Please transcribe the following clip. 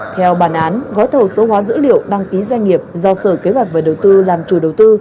theo bản án gói thầu số hóa dữ liệu đăng ký doanh nghiệp do sở kế hoạch và đầu tư làm chủ đầu tư